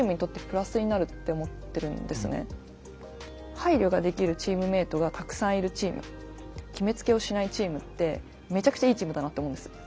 配慮ができるチームメートがたくさんいるチーム決めつけをしないチームってめちゃくちゃいいチームだなって思うんです。